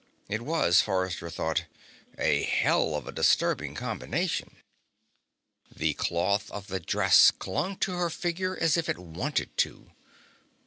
It was, Forrester thought, a hell of a disturbing combination. The cloth of the dress clung to her figure as if it wanted to.